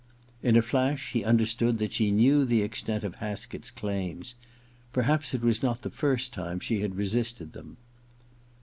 In a flash he understood that she knew the extent of Haskett's claims. Perhaps it was not the first time she had resisted them.